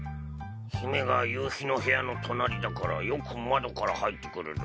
姫が夕日の部屋の隣だからよく窓から入ってくるぞ。